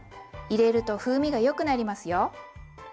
入れると風味がよくなりますよ。